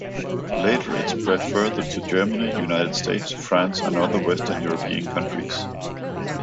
Later it spread further to Germany, United States, France and other Western European countries.